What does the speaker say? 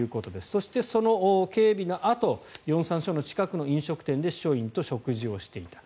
そして、その警備のあと龍山署の近くの飲食店で署員と食事をしていた。